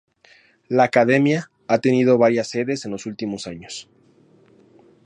La Academia ha tenido varias sedes en los últimos años.